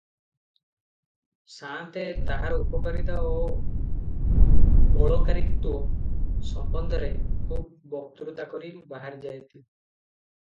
ସାଆନ୍ତେ ତାହାର ଉପକାରିତା ଓ ବଳକାରିତ୍ୱ ସମ୍ବନ୍ଧରେ ଖୁବ୍ ବକୃତା କରି ବାହାରିଯାନ୍ତି